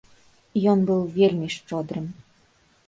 Ён быў вельмі шчодрым.